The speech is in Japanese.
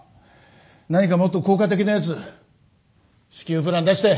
何かもっと効果的なやつ至急プラン出して。